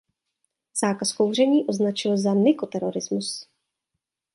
Zákaz kouření označil za „nikoterorismus“.